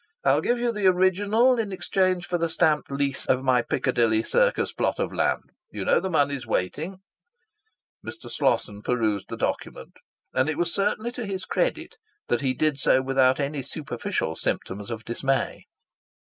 I'll give you the original in exchange for the stamped lease of my Piccadilly Circus plot of land. You know the money is waiting." Mr. Slosson perused the document; and it was certainly to his credit that he did so without any superficial symptoms of dismay.